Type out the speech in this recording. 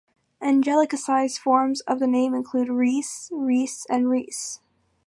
Anglicised forms of the name include Rees, Reese and Reece.